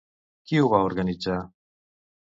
Qui ho va organitzar?